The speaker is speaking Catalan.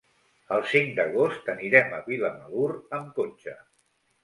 El cinc d'agost anirem a Vilamalur amb cotxe.